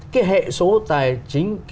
cái hệ số tài chính